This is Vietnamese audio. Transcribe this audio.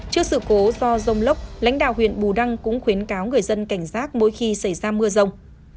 trước sự cố do rông lốc lãnh đạo huyện bù đăng cũng khuyến cáo người dân cảnh giác mỗi khi xảy ra mưa rông